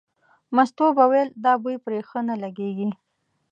مستو به ویل دا بوی پرې ښه نه لګېږي.